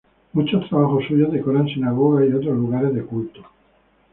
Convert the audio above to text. Muchos trabajos suyos decoran sinagogas y otros lugares de culto.